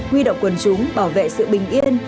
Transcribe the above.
huy động quần chúng bảo vệ sự bình yên